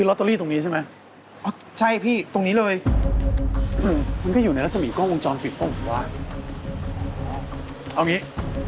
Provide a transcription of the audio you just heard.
ว่าแต่พี่แทนมาดูอะไรที่นี่